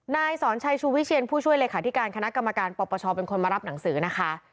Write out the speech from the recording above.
นายสอนชัยชูวิเชียนผู้ช่วยเลขาธิการคณะกรรมการปปชเป็นคนมารับหนังสือนะคะ